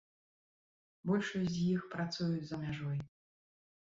Большасць з іх працуюць за мяжой.